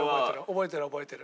覚えてる覚えてる。